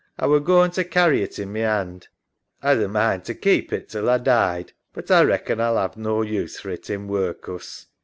A were going to carry it in my 'and. A'd a mind to keep it till A died, but A reckon A'll 'ave no use for it in workus.